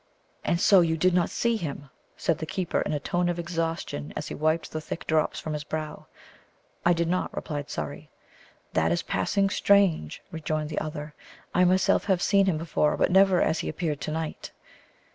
"And so you did not see him?" said the keeper, in a tone of exhaustion, as he wiped the thick drops from his brow. "I did not," replied Surrey. "That is passing strange," rejoined the other. "I myself have seen him before, but never as he appeared to night."